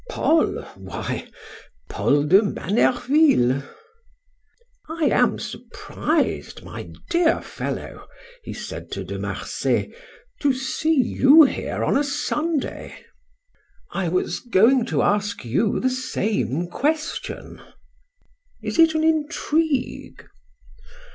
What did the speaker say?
Paul? Why, Paul de Manerville!" "I am surprised, my dear fellow," he said to De Marsay, "to see you here on a Sunday." "I was going to ask you the same question." "Is it an intrigue?"